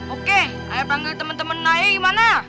oke aya panggil temen temen aya gimana